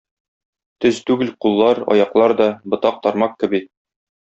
Төз түгел куллар, аяклар да - ботак-тармак кеби.